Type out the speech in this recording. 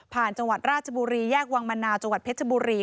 จังหวัดราชบุรีแยกวังมะนาวจังหวัดเพชรบุรี